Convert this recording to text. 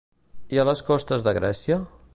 I a les costes de Grècia?